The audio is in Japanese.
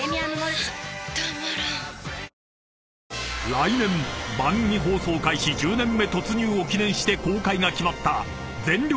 ［来年番組放送開始１０年目突入を記念して公開が決まった『全力！